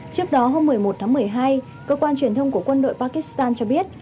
trước đó hôm một mươi một tháng một mươi hai cơ quan truyền thông của quân đội pakistan cho biết